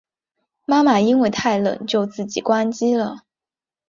妈妈因为太冷就自己关机了